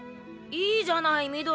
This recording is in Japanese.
いいじゃない緑。